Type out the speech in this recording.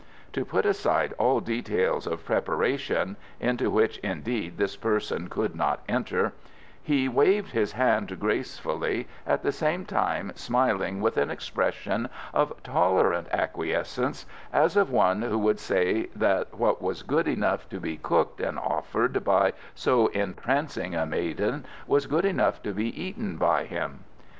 To put aside all details of preparation (into which, indeed, this person could not enter) he waved his hand gracefully, at the same time smiling with an expression of tolerant acquiescence, as of one who would say that what was good enough to be cooked and offered by so entrancing a maiden was good enough to be eaten by him.